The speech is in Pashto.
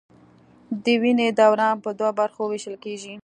د وینې دوران په دوو برخو ویشل کېږي.